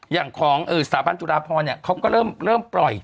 อย่างของสถาบันจุฬาพรเขาก็เริ่มปล่อย